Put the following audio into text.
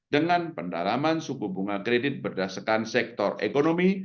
dengan pendalaman suku bunga kredit berdasarkan sektor ekonomi